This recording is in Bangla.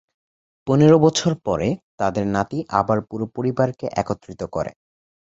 পনেরো বছর পরে, তাদের নাতি আবার পুরো পরিবারকে একত্রিত করে।